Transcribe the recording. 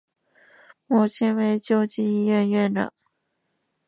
母亲为救济医院院长。